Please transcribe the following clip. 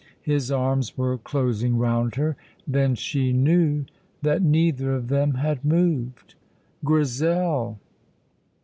His arms were closing round her. Then she knew that neither of them had moved. "Grizel!"